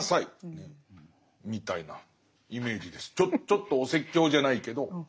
ちょっとお説教じゃないけど。